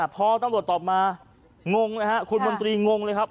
พอตำรวจตอบมางงนะฮะคุณมนตรีงงเลยครับ